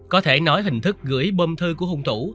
có thể nói hình thức gửi bơm thư của hung thủ